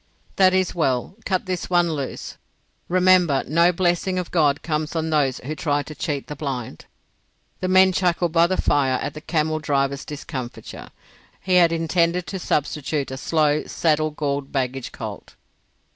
"That is well. Cut this one loose. Remember no blessing of God comes on those who try to cheat the blind." The men chuckled by the fires at the camel driver's discomfiture. He had intended to substitute a slow, saddle galled baggage colt.